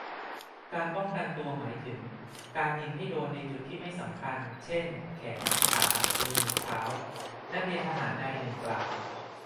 "การป้องกันตัวหมายถึง การยิงให้โดนในจุดที่ไม่สำคัญ เช่น แขน ขา มือ เท้า" นักเรียนทหารนายหนึ่งกล่าว